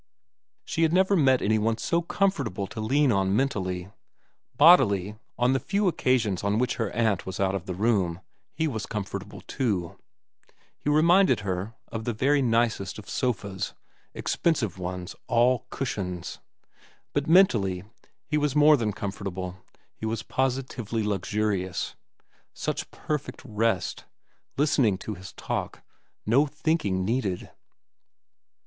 She had never met any vn VERA 73 one so comfortable to lean on mentally. Bodily, on the few occasions on which her aunt was out of the room, he was comfortable too ; he reminded her of the very nicest of sofas, expensive ones, all cushions. But mentally he was more than comfortable, he was positively luxurious. Such perfect rest, Listening to his talk. No thinking needed.